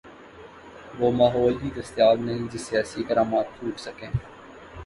وہ ماحول ہی دستیاب نہیں جس سے ایسی کرامات پھوٹ سکیں۔